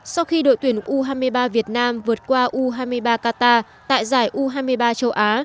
sau khi đội tuyển u hai mươi ba việt nam vượt qua u hai mươi ba qatar tại giải u hai mươi ba châu á